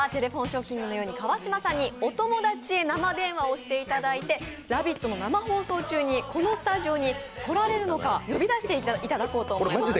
ショッキングのように川島さんにお友達生電話をしていただいて「ラヴィット！」の生放送中にこのスタジオに来られるのか呼び出していただこうと思います。